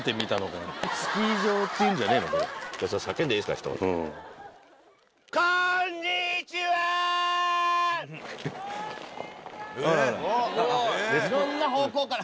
いろんな方向から。